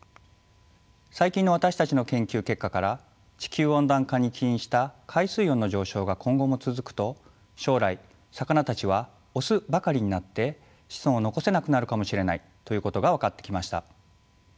最近の私たちの研究結果から地球温暖化に起因した海水温の上昇が今後も続くと将来魚たちはオスばかりになって子孫を残せなくなるかもしれないということが分かってきました。